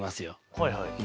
はいはい。